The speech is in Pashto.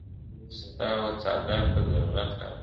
ستا وه څادرته ضروت لرمه,